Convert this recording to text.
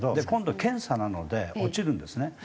今度検査なので落ちるんですね。